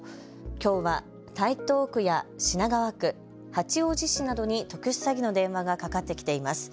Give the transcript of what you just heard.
きょうは台東区や品川区、八王子市などに特殊詐欺の電話がかかってきています。